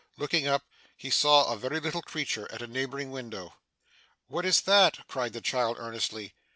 Looking up, he saw a very little creature at a neighbouring window. 'What is that?' cried the child, earnestly.